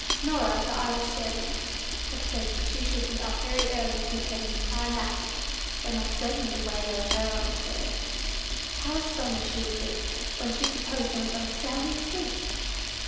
Norah, the Irish servant, had said she should be up very early to attend High Mass: they must certainly waylay her on the stairs. How astonished she would be, when she supposed they were both soundly asleep!